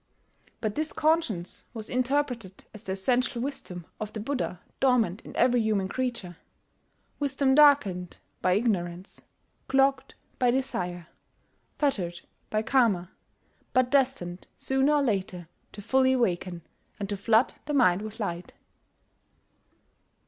But this conscience was interpreted as the essential wisdom of the Buddha dormant in every human creature, wisdom darkened by ignorance, clogged by desire, fettered by Karma, but destined sooner or later to fully awaken, and to flood the mind with light.